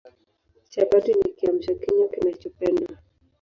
Chapati ni Kiamsha kinywa kinachopendwa